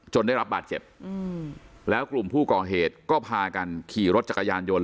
ได้รับบาดเจ็บแล้วกลุ่มผู้ก่อเหตุก็พากันขี่รถจักรยานยนต